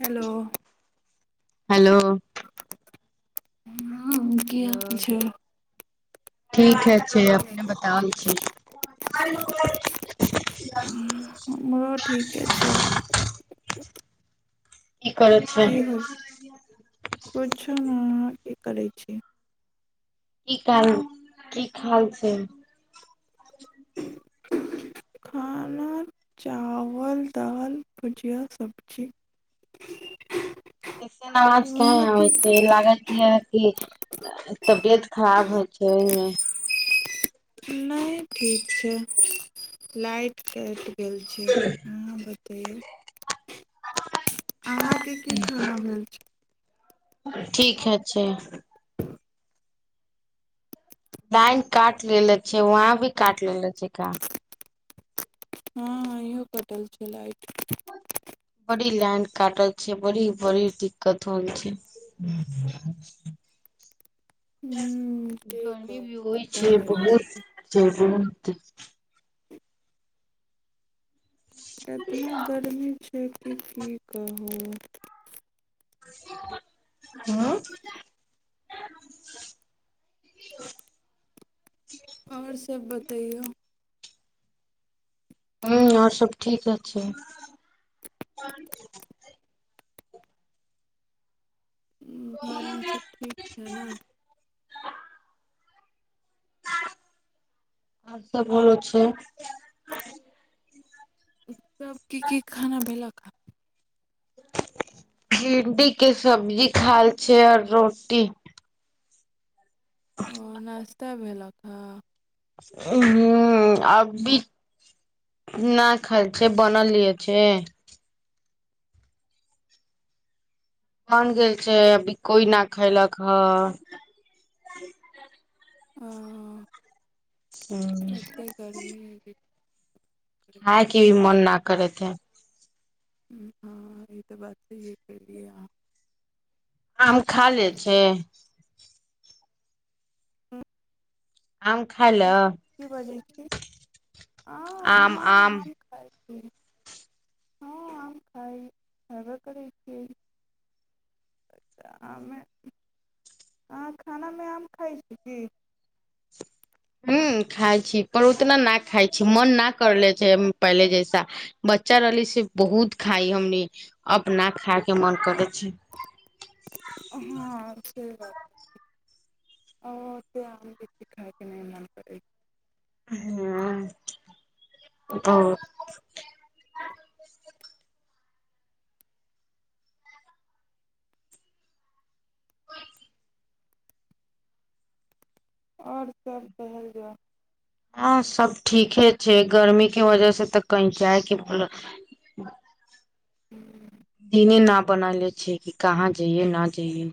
Hello hello हाँ हूँ की हाल छै ठीके छै अपने बतौल छी हमरो ठीके छै की करै छै की होइ कुछो नै की करै छी की कारण की खाल छै खाना चावल दाल भुजिया सब्जी ऐसन अवाज काहे अहाँ आबै की छै लागै छै की अहाँके तबियत खराब होइ छै ओहिमे नहि ठीक छै लाइट कटि गेल छै अहाँके की खाना भेल छै ठीके छै लाइन काट लेेले छे उहाँ भी काट लेलेे छिका हूँ इहो कटल छै लाइट बड्डी लाईन काटल छै बड़ी बड़ी दिक्कत होइ छै हूँ की गरमी भी कहू होइ एतना छै गर्मी बहुत छै छै [unintelligible] केतना गर्मी छै से की की कहू हूँ आओर सब बत- तैयौ हूँ आओर सब ठीके छै घरमे सभ ठीक छै न आओर सब बोलो छै सभ की की खाना भेलक आ भिंडी के सब्जी खाल छै आओर रोटी ओ नाश्ता भेलक हें हूँ अभी ना खाल छै बनेले छै बन गेल छै अभी कोइ न खैलक हँ ओ एतऽ गर्मी हइ की हँ कि मन नहि आ करैते हँ ई तऽ बात सहीए केलियै हन आम खा ले छै अहाँ आम खाय ल की बजै छी आम हँ आम खाइ हँ आम खाइ खैबे करै छियै आमे अहाँ खानामे आम खाइ छी की हूँ खाइ छी पर उतना न खाइ छी मन न करले छै पहिले जैसा बच्चा रहली से बहुत खाइ हमनी अब ना खाइ के मन करै छै हाँ सही बात ओते आम बेसी खाइ के नहि मन करै छै हँ- ओ आओर सभ कहल जाउ हाँ सब ठीके छै गर्मीेके वजह से तऽ कहीं जाएके मन [inaudible] दिने ना बनैले छियै की कहाँ जयै ना जयै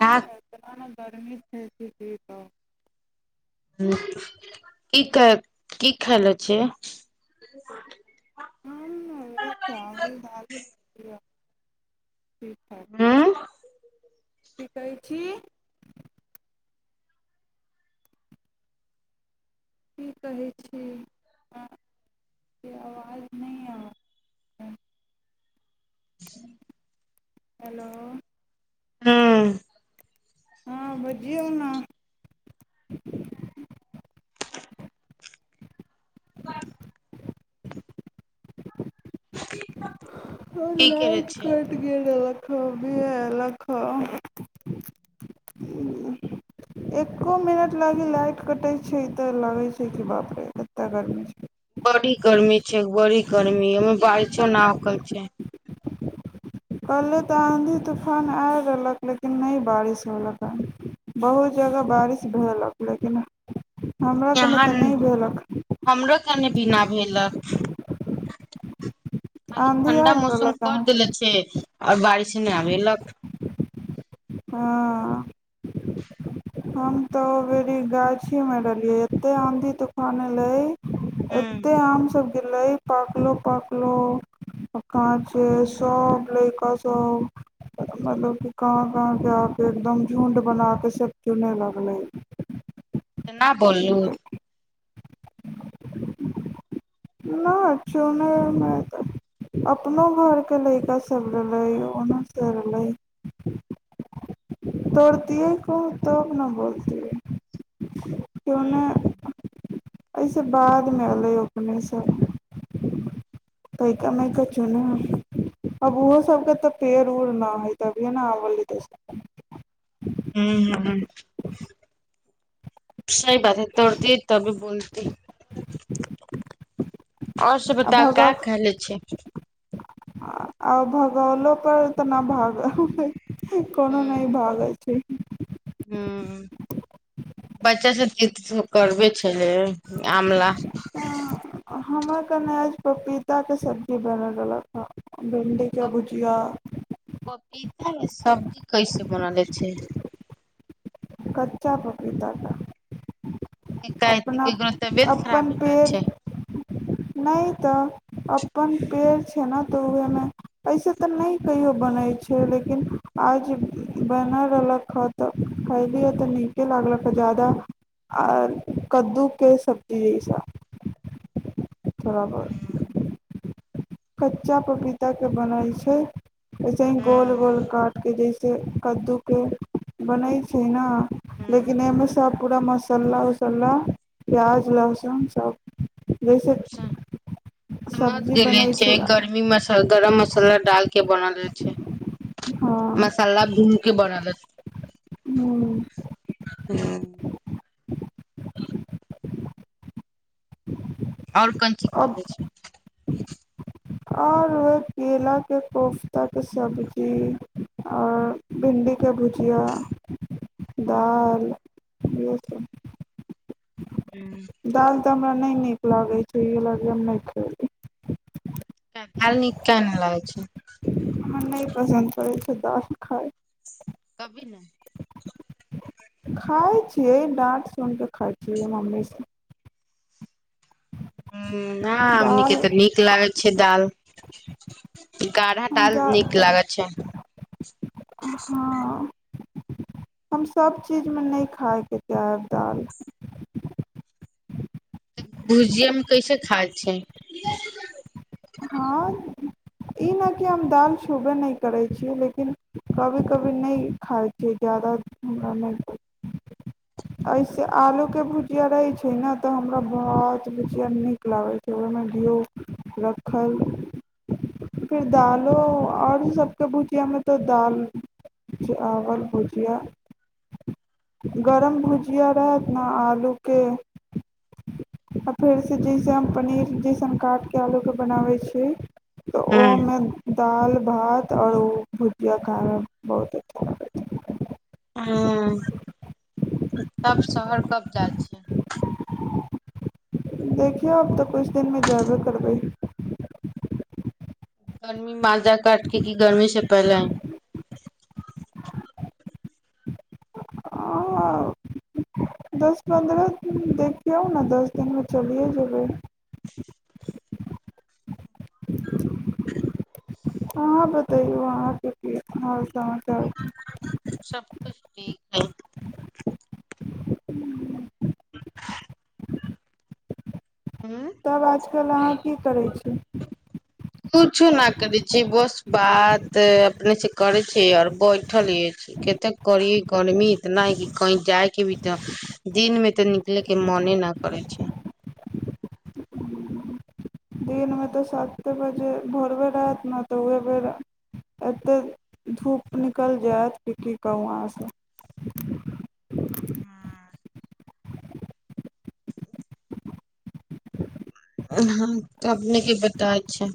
हाँ इतना गर्मी छै की कहु हूँ की कहै की खैले छियै हम उहए चावल दालि खेलिअ ठीक है हूं की कहै छी की कहै छी अहाँ के आवाज नहि आबै या [inaudible] हेलो हूँ हूँ बजियो न अ की करे लाइट छै कट गेलक खूबी एलक हन एको मिनट लागी लाइट कटै छै तऽ लागै छै की बापरे कते गर्मी छै बड़ी गर्मी छै बड़ी गर्मी एमे बारिशो ना होके छै पहिले तऽ आँधी तूफान आय रहलक लेकिन नहि बारिश होलकहन बहुत जगह बारिश भेलक लेकिन हमरा तने यहाँ तऽ नहि भेलक बिना भेलक खाली आंधी ठण्डा आयल मौसम रहलक कर अहाँ देले छै आओर बारिशे नहि आबेलक हाँ हम तऽ ओबेरी गाछीमे रहलियै एते आँधी तूफान एलै हूं एते तऽ आम सब गिरलै पाकलो पाकलो अ- कांचों सब लइका सब [unintelligible] कहाँ से आके एकदम झुण्ड बनाके सभ चुनै लगलै तऽ ना बोललू न चुने मे तऽ अपनो घर के लयका सब रहले ओनो से रहलै तोड़तियै केयौ तब ने बोलतियै के ओने एहिस बादमे एलयै अपने सब तनिका चुन अब ओहो सभके तऽ पेड़ उड़ नहि हइ तभिए ने आबल हूँ हूँ हूँ सही बात हइ तोड़तीयै तबे बोलती आओर सब आ बताउ भग का खैले छै आ भगौलो पर ते ना भागल। उ कोनो नै भागे छै। ह्म्म बच्चा सब के ते [unintelligible] करुवे छै। वे आमला हमरा कन आज पपीताके सब्जी बना देलक ह भिंडीके भुजिया -ता सब्जी कैसे बनेले छै कच्चा पपीता। शिकायत अपना केकरो तबियत खराब अपन भेल पेड़ छै नै ते अपन पेड़ छै ने तऽ उहे मे ऐसे ते नै कहियो बनै छै, लेकिन आज बनल रहलक ह तऽ खएलीये ते नीके लागलक ह ज्यादा, आ कद्दू के सब्जी जैसा। थोड़ा बहुत कच्चा पपीता के बनल छै। ऐसे ही गोल-गोल काट के जैस ए कद्दू के बनै छै ना। लेकिन ए मे सब पुरा मसल्ला उसल्ला, प्याज, लहसुन सब जैसे सब्जी बनै के छै गर्मी मस, गरम मसल्ला डाल के बनालै छै, हँ मसल्ला भून के बनाले ह्म्म। हूँ और कन चीज अब खएलै छी। और उहे केला के कोफ्ता के सब्जी और भिंडी के भुजिया, दाल इहे सब। ह्म्म। दाल तऽ हमरा नै नीक लागै छै, इहे लागी हम नै खएली। [unintelligible] दाल नीक किया ने लागै छै। हमरा नै पसन्द पड़ै छै दाल खाय। कभी नै। खाय छियै, डाँट सुन के खाय छियै मम्मी से। ना हमनी के दाल ते नीक लागे छै दाल। गाढ़ा हम दाल जा नीक लागै छै। हाँ। हम सब चीज मे नै खाय के चाहब दाल। त भुजिया मे कैसे खाय छै। हँ ई नै कि हम दाल छूबे नै करै छी, लेकिन कभी-कभी नै खाय छियै, जादा हमरा नै ऐसे आलू के भुजिया रहै छै ने तऽ हमरा भात, भुजिया नीक लागै छै, ओय मे दियौ रखल, फिर दालो और सब के भुजिया मे तऽ दाल, चावल, भुजिया। गरम भुजिया रहत ने आलुके आ फेरसे जइसे हम पनीर जैसन काटि क आलूके बनाबै छियै। त हँ ओ मन दाल भात और भुजिया खाइमे बहुत अच्छा लगै छै। हाँ। तब शहर कब जाय छी। देखियौ आब ते कुछ दिन मे जेबे करबै। गर्मी माजा काट के की गर्मी से पहिले आई। हां दस पन्द्रह दिन देखियौ ने, दस दिनमे चलिए जेबै। अहां बतइयौ अहांके की हाल छै अहांके। सब कुछ ठीक छै [inaudible] हूँ तब आजकल अहां की करय छी। कुछो नै करै छी बस बात अपने से करै छै और बैठल रहै छी, कतेक कड़ी गर्मी इतना कि कही जायके भी त दिन मे त निकलेके मने न करै छै। दिनमे त साते बजे भोरबे रहत ने त उह बेर एतेक धुप निकलि जायत कि की कहू अहांसे। हुं उं हम अपने के बताय छी।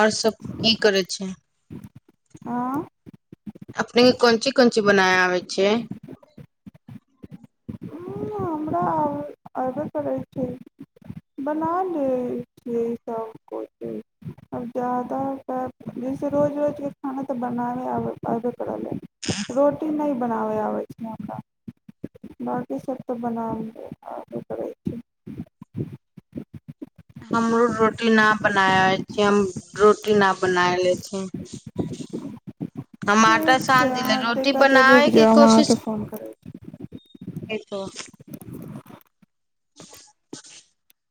और सब की करै छियै। एं अपनेके कोन चीज कोन चीज बनावय आबै छियै। हमरा आब अबे करै छै, बना लै छियै सब कुछ आब जादा जैसे रोज रोजके खाना त बनाबै अबे केलै, रोटी नहि बनाबै आबै छै हमरा बाकी सब त बना आबे करै छै। हमरो रोटी न बनाय अबै छै हम रोटी न बनाय ले छी। ठीक छै अहां कने रुकि के जाउ हम अहांके फोन करैत छी। ए तो